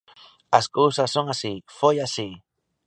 As cousas son así, foi así.